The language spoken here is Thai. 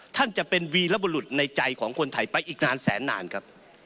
ท่านจะเป็นวีรบุรุษในใจของคนไทยไปอีกนานแสนนานครับ